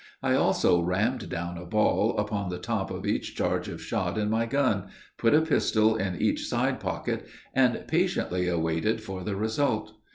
I also rammed down a ball upon the top of each charge of shot in my gun, put a pistol in each side pocket, and patiently awaited for the result.